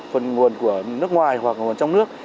phần nguồn của nước ngoài hoặc trong nước